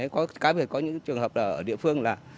cái việc có những trường hợp ở địa phương là